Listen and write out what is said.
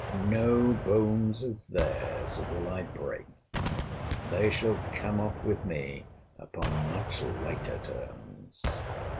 —No bones of their's will I break—They shall come off with me upon much lighter terms!